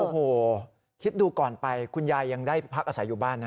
โอ้โหคิดดูก่อนไปคุณยายยังได้พักอาศัยอยู่บ้านนะ